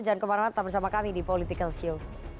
jangan kemana mana tetap bersama kami di politikalsio